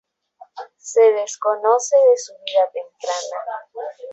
Se desconoce de su vida temprana.